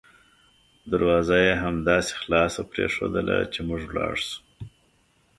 دروازه یې همداسې خلاصه پریښودله چې موږ ولاړ شوو.